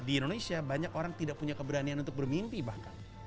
di indonesia banyak orang tidak punya keberanian untuk bermimpi bahkan